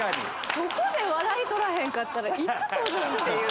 そこで笑い取らへんかったらいつ取るん？っていう。